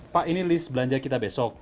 pak ini list belanja kita besok